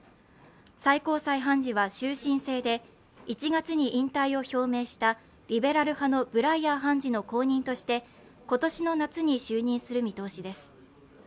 最高裁判事は終身制で、１月に引退を表明したリベラル派のブライヤー判事の後任として今年の夏に就任する見通しです。